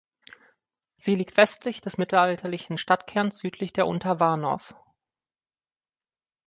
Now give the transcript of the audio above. Sie liegt westlich des mittelalterlichen Stadtkerns südlich der Unterwarnow.